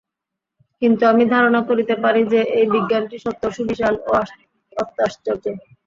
কিন্তু আমি ধারণা করিতে পারি যে, এই বিজ্ঞানটি সত্য, সুবিশাল ও অত্যাশ্চর্য।